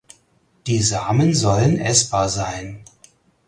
Die Samen sollen essbar sein.